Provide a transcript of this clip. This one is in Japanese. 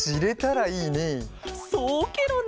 そうケロね！